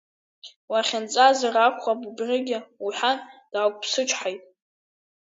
Лахьынҵазар акәхап убригьы, — лҳәан, даақәԥсычҳаит.